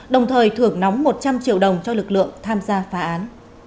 đồng thời thưởng nóng một trăm linh triệu đồng cho lực lượng tham gia phá án